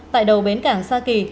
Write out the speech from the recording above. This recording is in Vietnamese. tại đầu bến cảng sa kỳ